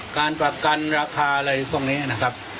การประกันราคาอะไรพวกนี้นะครับ